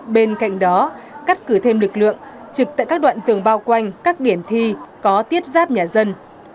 bên cạnh đó cắt cử thêm lực lượng trực tại các đoạn tường bao quanh các điểm thi có tiếp giáp nhà dân